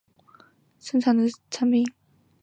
也可指为使用山羊等其他动物的乳汁生产的产品。